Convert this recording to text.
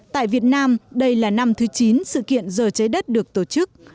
tại việt nam đây là năm thứ chín sự kiện giờ trái đất được tổ chức